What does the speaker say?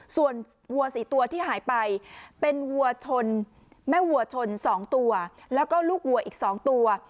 ส่วนวัว๔ตัวที่หายไปเป็นวัวชนแม่วัวชน๒ตัวแล้วก็ลูกวัวอีก๒ตัว